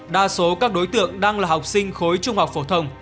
đa số các đối tượng đang là học sinh khối trung học phổ thông